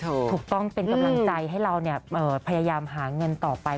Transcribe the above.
ถูกต้องเป็นกำลังใจให้เราพยายามหาเงินต่อไป